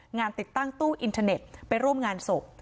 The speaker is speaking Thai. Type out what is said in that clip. งานติดตั้งตู้อินเทอร์เน็ตไปร่วมงานศพ